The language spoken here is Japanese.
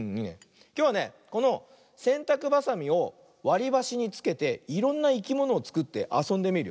きょうはねこのせんたくばさみをわりばしにつけていろんないきものをつくってあそんでみるよ。